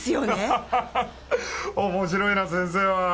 ハハハハ面白いな先生は。